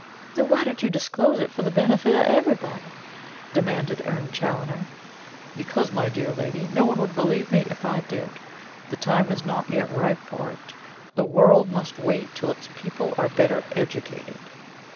"Then why don't you disclose it for the benefit of everybody?" demanded Erne Challoner. "Because, my dear young lady, no one would believe me if I did. The time is not yet ripe for it. The world must wait till its people are better educated."